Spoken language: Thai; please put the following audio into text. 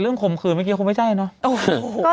เรื่องข่มขืนเมื่อกี้คงไม่ได้เนอะ